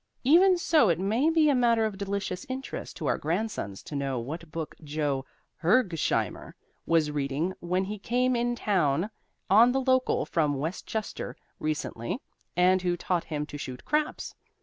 Even so it may be a matter of delicious interest to our grandsons to know what book Joe Hergesheimer was reading when he came in town on the local from West Chester recently, and who taught him to shoot craps.